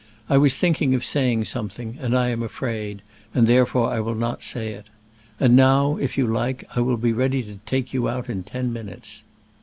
I was thinking of saying something, and I am afraid, and therefore I will not say it. And now, if you like, I will be ready to take you out in ten minutes."